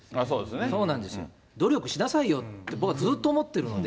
そうなんですよ、努力しなさいよって、僕はずっと思ってるので。